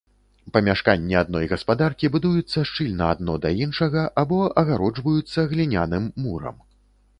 Памяшканні адной гаспадаркі будуюцца шчыльна адно да іншага або агароджваюцца гліняным мурам.